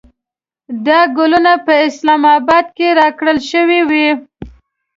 دا ګلونه په اسلام اباد کې راکړل شوې وې.